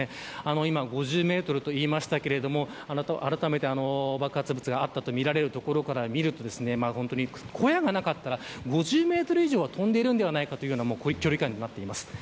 今、５０メートルと言いましたがあらためて爆発物があったとみられる所から見ると小屋がなかったら５０メートル以上飛んでいるのではないかという距離感になっています。